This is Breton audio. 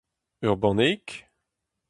Ur banneig ?